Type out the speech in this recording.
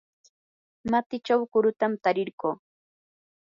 matichaw kurutam tarirquu.